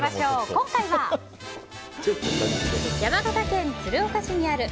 今回は、山形県鶴岡市にある